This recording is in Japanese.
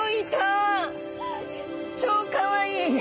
超かわいい！